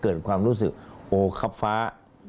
เกิดความรู้สึกโอ้ครับฟ้า